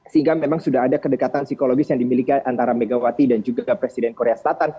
sehingga memang sudah ada kedekatan psikologis yang dimiliki antara megawati dan juga presiden korea selatan